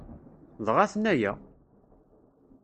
Dɣa aten-aya!